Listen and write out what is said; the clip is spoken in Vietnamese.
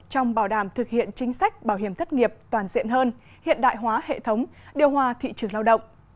trong bảo đảm thực hiện chính sách bảo hiểm thất nghiệp toàn diện hơn hiện đại hóa hệ thống điều hòa thị trường lao động